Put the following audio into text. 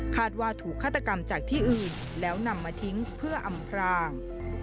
ว่าถูกฆาตกรรมจากที่อื่นแล้วนำมาทิ้งเพื่ออำพราง